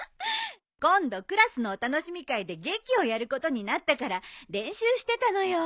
今度クラスのお楽しみ会で劇をやることになったから練習してたのよ。